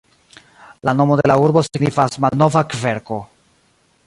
La nomo de la urbo signifas "malnova kverko".